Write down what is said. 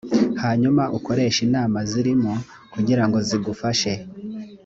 hanyuma ukoreshe inama zirimo kugira ngo zigufashe